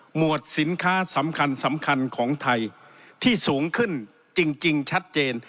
หวดสินค้าสำคัญสำคัญของไทยที่สูงขึ้นจริงชัดเจน